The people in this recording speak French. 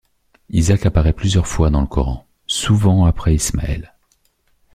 Isaac apparaît plusieurs fois dans le Coran, souvent après Ismaël.